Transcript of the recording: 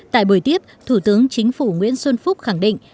tại buổi tiếp thủ tướng chính phủ nguyễn xuân phúc khẳng định